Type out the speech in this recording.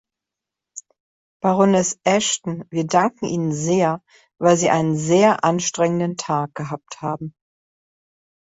Baroness Ashton, wir danken Ihnen sehr, weil Sie einen sehr anstrengenden Tag gehabt haben.